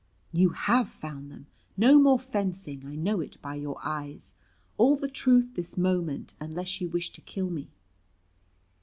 "You have found them. No more fencing. I know it by your eyes. All the truth this moment, unless you wish to kill me."